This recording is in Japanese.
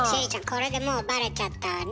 これでもうバレちゃったわね。